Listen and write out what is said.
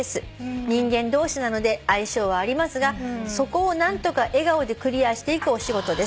「人間同士なので相性はありますがそこを何とか笑顔でクリアしていくお仕事です」